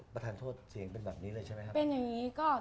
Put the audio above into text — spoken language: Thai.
ประธานโทษเสียงเป็นแบบนี้เลยใช่ไหมครับ